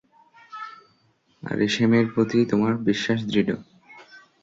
আরিশেমের প্রতি তোমার বিশ্বাস দৃঢ়।